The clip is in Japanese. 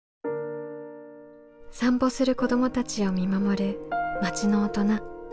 散歩する子どもたちを見守る町の大人。